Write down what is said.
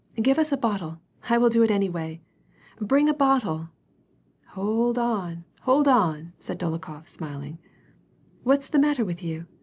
Give us a bottle. I will do it any way. Bring a bottle." " Hold on ! Hold on !" said Dolokhof, smiling. "What is the matter with you?"